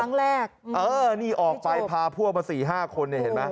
ครั้งแรกเออนี่ออกไปพาพวกมาสี่ห้าคนเนี่ยเห็นไหม